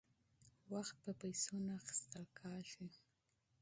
وخت په پیسو نه اخیستل کیږي.